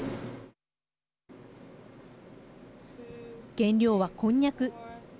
原料は、こんにゃく。